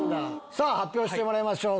さぁ発表してもらいましょう。